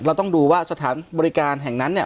เราต้องดูว่าสถานบริการแห่งนั้นเนี่ย